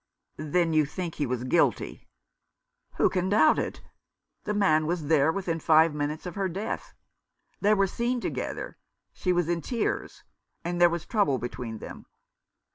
" Then you think he was guilty ?"" Who can doubt it ? The man was there, within five minutes of her death. They were seen together — she was in tears — and there was trouble between them.